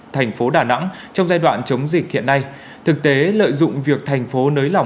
thành phố đà nẵng trong giai đoạn chống dịch hiện nay thực tế lợi dụng việc thành phố nới lỏng